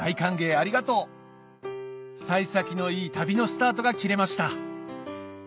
ありがとう幸先のいい旅のスタートが切れました